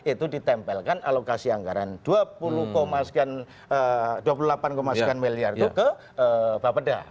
itu ditempelkan alokasi anggaran dua puluh delapan sembilan miliar itu ke bapak pedang